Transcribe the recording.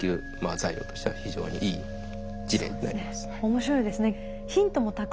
面白いですね。